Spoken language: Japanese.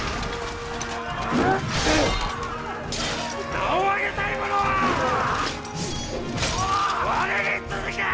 名を上げたい者は我に続け！